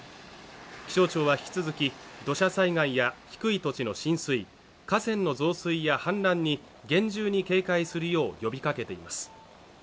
気象庁は引き続き土砂災害や低い土地の浸水、河川の増水や氾濫に厳重に警戒するよう呼びかけています。